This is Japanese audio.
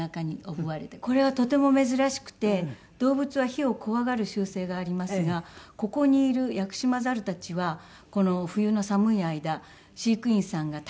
これはとても珍しくて動物は火を怖がる習性がありますがここにいるヤクシマザルたちはこの冬の寒い間飼育員さんがたき火をたくんですね。